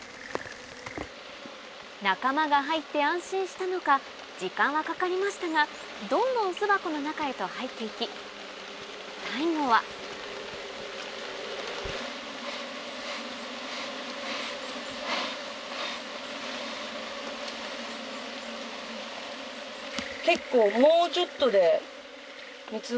仲間が入って安心したのか時間はかかりましたがどんどん巣箱の中へと入っていき最後は結構。